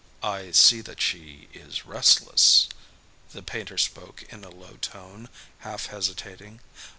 "I see that she is restless." The painter spoke in a low tone, half hesitating.